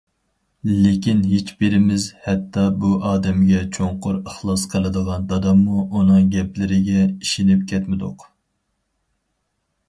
لېكىن ھېچبىرىمىز، ھەتتا بۇ ئادەمگە چوڭقۇر ئىخلاس قىلىدىغان داداممۇ ئۇنىڭ گەپلىرىگە ئىشىنىپ كەتمىدۇق.